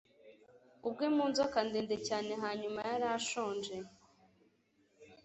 ubwe mu nzoka ndende cyane. hanyuma yarashonje